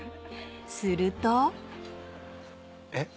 ［すると］えっ？